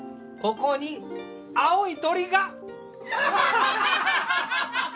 ここに青い鳥が！